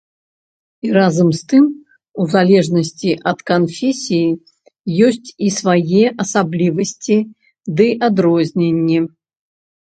Разам з тым, у залежнасці ад канфесіі, ёсць і свае асаблівасці ды адрозненні.